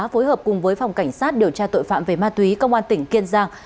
phối hợp cùng với phòng cảnh sát điều tra tội phạm về ma túy công an tỉnh kiên giang